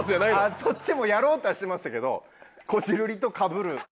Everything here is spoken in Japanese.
そっちもやろうとはしてましたけどこじるりとかぶる。